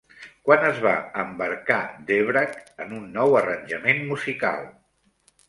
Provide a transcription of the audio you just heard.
Quan es va embarcar Dvořák en un nou arranjament musical?